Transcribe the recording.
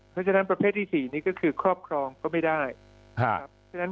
เค้าจะทำประเภทที่สี่นี่คือครอบครองก็ไม่ได้